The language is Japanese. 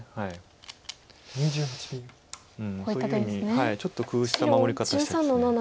はいちょっと工夫した守り方したいです。